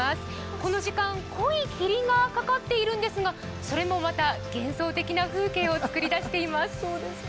この時間、濃い霧がかかっているんですが、それもまた幻想的な風景を作り出しています。